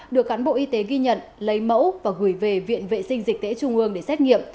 được cán bộ y tế ghi nhận lấy mẫu và gửi về viện vệ sinh dịch tễ trung ương để xét nghiệm